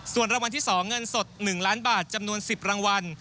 ส่วนรางวัลที่๒เงินสด๑ล้านบาทจำนวน๑๐รางวัล